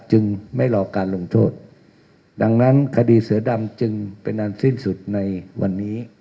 จึงไม่รอการลงโทษดังนั้นคดีเสือดำจึงเป็นอันสิ้นสุดในวันนี้